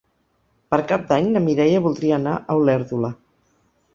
Per Cap d'Any na Mireia voldria anar a Olèrdola.